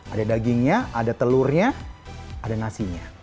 ada dagingnya ada telurnya ada nasinya